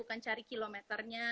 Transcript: bukan cari kilometernya